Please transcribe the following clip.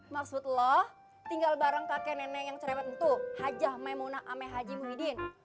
maksud lo tinggal bareng kakek nenek yang cerewet untuk hajah memunah ame haji muhyiddin